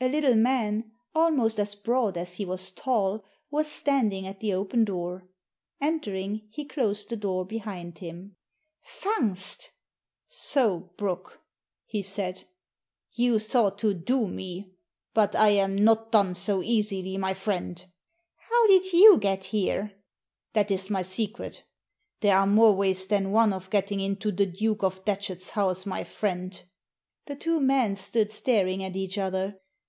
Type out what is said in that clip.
A little man, almost as broad as he was tall, was standing at the open doon Entering, he closed the door behind him. Digitized by VjOOQIC 2i6 THE SEEN AND THE UNSEEN Tungst!" *So, Brooke" he said, "you thought to do me. But I am not done so easily, my friend. " How did you get here ?" "That is my secret There are more ways than one of getting into the Duke of Datchet's house, my friend." The two men stood staring at each other.